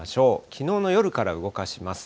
きのうの夜から動かします。